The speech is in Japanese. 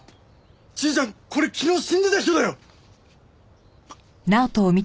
じいちゃんこれ昨日死んでた人だよ！